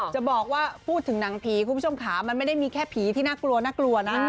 จะบอกว่าพูดถึงหนังผีคุณผู้ชมขามันไม่ได้มีแค่ผีที่น่ากลัวน่ากลัวนะ